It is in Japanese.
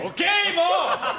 もう！